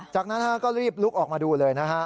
จากนั้นก็รีบลุกออกมาดูเลยนะฮะ